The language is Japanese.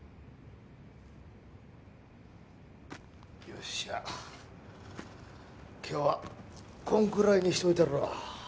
よっしゃ今日はこんくらいにしといたるわ。